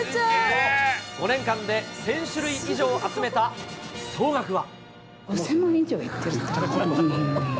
５年間で１０００種類以上集めた総額は。